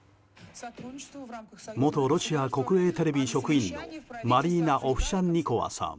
元ロシア国営テレビ職員のマリーナ・オフシャンニコワさん。